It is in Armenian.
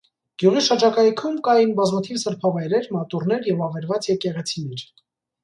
Գյուղի շրջակայքում կային բազմաթիվ սրբավայրեր, մատուռներ և ավերված եկեղեցիներ։